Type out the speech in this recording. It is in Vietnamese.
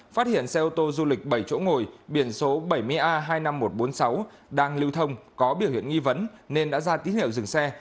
phát hiện xe ô tô du lịch bảy chỗ ngồi biển số bảy mươi a hai mươi năm nghìn một trăm bốn mươi sáu đang lưu thông có biểu hiện nghi vấn nên đã ra tín hiệu dừng xe